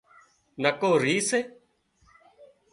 نڪو ريهه سي